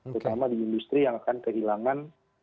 terutama di industri yang akan kehilangan